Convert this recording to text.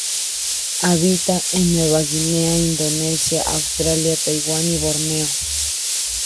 Habita en Nueva Guinea, Indonesia, Australia, Taiwán y Borneo.